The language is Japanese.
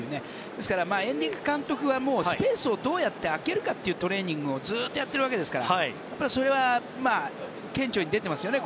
ですから、エンリケ監督はスペースをどうやって空けるかというトレーニングをずっとやっているわけですから。それは顕著に出てますよね